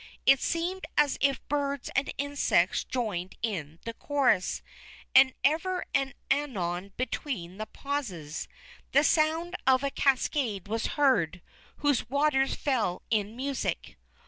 It seemed as if birds and insects joined in the chorus; and ever and anon between the pauses, the sound of a cascade was heard, whose waters fell in music.